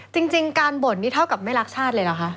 จริงการบ่นนี่เท่ากับไม่รักชาติเลยเหรอคะ